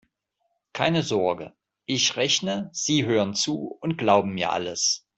Keine Sorge: Ich rechne, Sie hören zu und glauben mir alles.